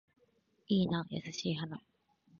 いいな優しい花